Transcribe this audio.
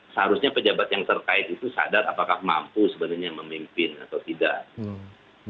seharusnya pejabat yang terkait itu sadar apakah mampu sebenarnya memimpin atau tidak